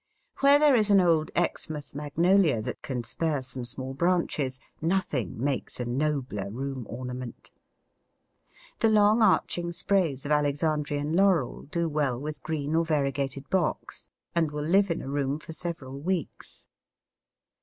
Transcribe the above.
Where there is an old Exmouth Magnolia that can spare some small branches, nothing makes a nobler room ornament. The long arching sprays of Alexandrian Laurel do well with green or variegated Box, and will live in a room for several weeks.